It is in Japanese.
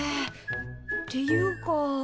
っていうか。